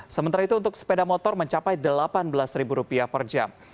sementara itu untuk sepeda motor mencapai rp delapan belas per jam